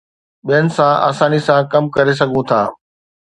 ٻين سان آساني سان ڪم ڪري سگهو ٿا